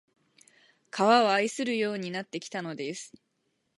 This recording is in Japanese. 川を愛するようになってきたのです